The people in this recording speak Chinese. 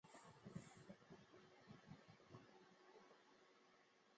圣詹姆士天主教堂是位于美国纽约市下曼哈顿的一座天主教教堂。